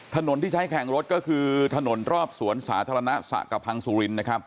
ถนนที่ใช้แหลงรถก็คือถนนรอบสวนศาธารณสศากะพังสุริน